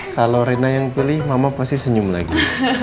kalau rina yang pilih mama pasti senyum lagi